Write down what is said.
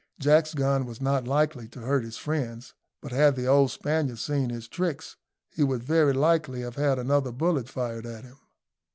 Jack's gun was not likely to hurt his friends, but had the old Spaniard seen his tricks, he would very likely have had another bullet fired at him.